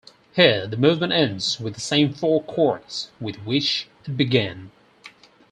Here, the movement ends with the same four chords with which it began.